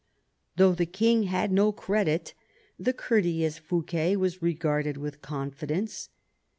Though the king had no credit, the courteous Fouquet was regarded with confidence.